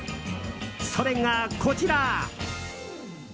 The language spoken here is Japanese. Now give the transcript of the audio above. それが、こちら。